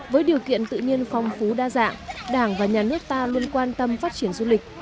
với điều kiện tự nhiên phong phú đa dạng đảng và nhà nước ta luôn quan tâm phát triển du lịch